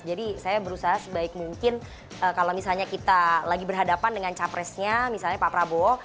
jadi saya berusaha sebaik mungkin kalau misalnya kita lagi berhadapan dengan capresnya misalnya pak prabowo